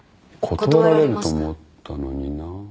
断られると思ったのにな。